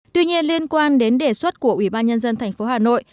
tuy nhiên liên quan đến đề xuất của ủy ban nhân dân thành phố hà nội